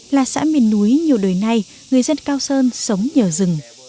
là xã miền núi nhiều đời nay người dân cao sơn sống nhờ rừng